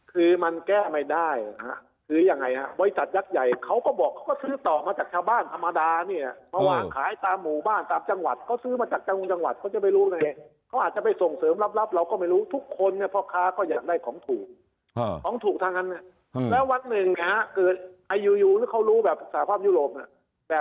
คือมันแก้ไม่ได้ซื้อยังไงฮะบริษัทยักษ์ใหญ่เขาก็บอกเขาก็ซื้อต่อมาจากชาวบ้านธรรมดาเนี่ยมาวางขายตามหมู่บ้านตามจังหวัดเขาซื้อมาจากจังหวัดเขาจะไม่รู้ไงเขาอาจจะไปส่งเสริมรับเราก็ไม่รู้ทุกคนเนี่ยพ่อค้าก็อยากได้ของถูกของถูกทั้งนั้นแล้ววันหนึ่งนะฮะเกิดอยู่หรือเขารู้แบบสาภาพยุโรปน่ะแต่